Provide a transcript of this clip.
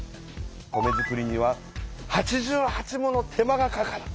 米づくりには８８もの手間がかかる。